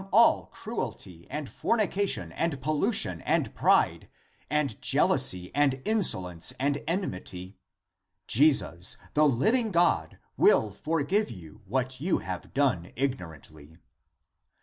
60 THE APOCRYPHAL ACTS cruelty and fornication and pollution and pride and jealousy and insolence and enmity,^ Jesus the living God will forgive you what you have done ignorantly.